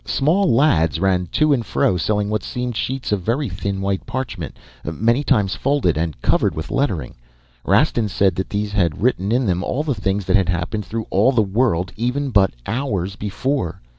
"Small lads ran to and fro selling what seemed sheets of very thin white parchment, many times folded and covered with lettering. Rastin said that these had written in them all things that had happened through all the world, even but hours before.